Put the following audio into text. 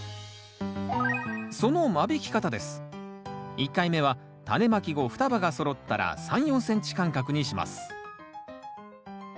１回目はタネまき後双葉がそろったら３４ｃｍ間隔にします